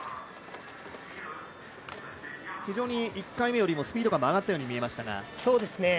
非常に１回目よりスピード感も上がったように見えました。